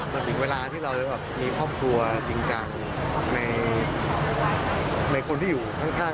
มันถึงเวลาที่เราจะแบบมีครอบครัวจริงจังในคนที่อยู่ข้าง